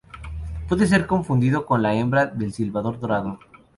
Puede ser confundido con la hembra del silbador dorado.